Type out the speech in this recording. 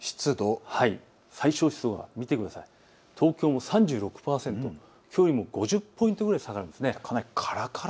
最小湿度が東京３６％、きょうよりも５０ポイントぐらい下がるんです。